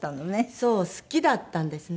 そう好きだったんですね。